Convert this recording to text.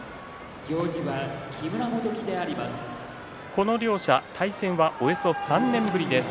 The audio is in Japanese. この両者、対戦はおよそ３年ぶりです。